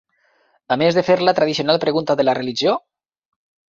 A més de fer la tradicional pregunta de la religió?